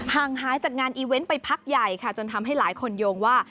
ห่างหายจากงานอีเวนต์ไปพักใหญ่ค่ะจนทำให้หลายคนโยงว่า